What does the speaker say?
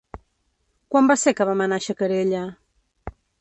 Quan va ser que vam anar a Xacarella?